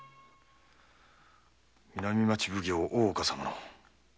南町奉行所・大岡様の。